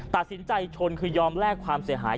ตัดสินใจชนคือยอมแลกความเสียหาย